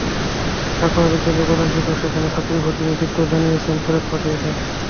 সাঁকোয়া বিদ্যালয়ের প্রধান শিক্ষক সেখানে ছাত্রী ভর্তি নিষিদ্ধ জানিয়ে ফেরত পাঠিয়েছেন।